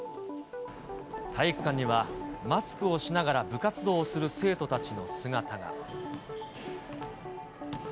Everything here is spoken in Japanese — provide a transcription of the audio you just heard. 体育館には、マスクをしながら部活動をする生徒たちの姿が。